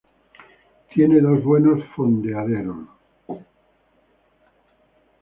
Tiene dos buenos fondeaderos.